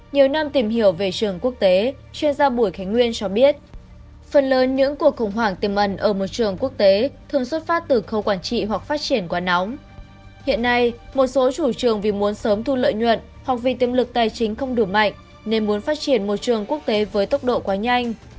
nên muốn phát triển một trường quốc tế với tốc độ quá nhanh